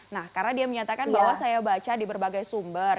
nah karena dia menyatakan bahwa saya baca di berbagai sumber